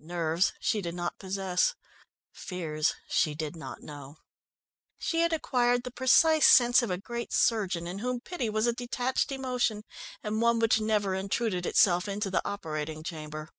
Nerves she did not possess, fears she did not know. She had acquired the precise sense of a great surgeon in whom pity was a detached emotion, and one which never intruded itself into the operating chamber.